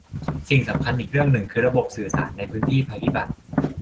สิ่งสำคัญอีกเรื่องหนึ่งคือระบบสื่อสารในพื้นที่ภัยพิบัติ